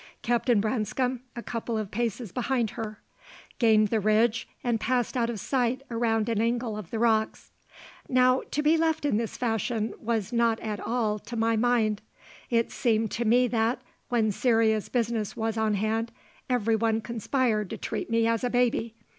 Captain Branscome a couple of paces behind her; gained the ridge, and passed out of sight around an angle of the rocks. Now, to be left in this fashion was not at all to my mind. It seemed to me that, when serious business was on hand, every one conspired to treat me as a baby.